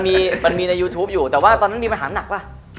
มันมีในยูทูปอยู่แต่ว่าตอนนั้นมีปัญหาหนักป่ะ